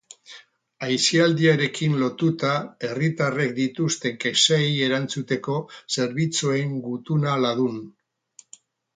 Aisialdiarekin lotuta herritarrek dituzten kexei erantzuteko zerbitzuen gutuna ladun.